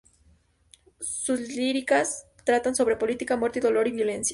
Sus líricas tratan sobre política, muerte, dolor y violencia.